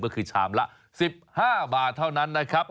ก็คือชามละ๑๕บาทเท่านั้นนะครับ